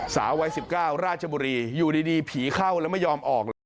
สาววัย๑๙ราชบุรีอยู่ดีผีเข้าแล้วไม่ยอมออกเลย